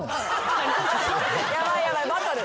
ヤバいヤバいバトル。